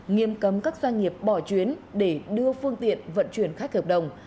nghiêm cấm các doanh nghiệp bỏ chuyến để đưa phương tiện vận chuyển khách hợp đồng